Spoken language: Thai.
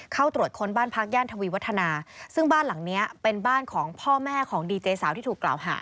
เข้าตรวจค้นบ้านพักย่านทวีวัฒนาซึ่งบ้านหลังเนี้ยเป็นบ้านของพ่อแม่ของดีเจสาวที่ถูกกล่าวหา